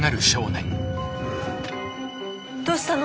どうしたの？